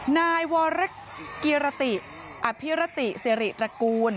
นายวรเกียรติอภิรติสิริตระกูล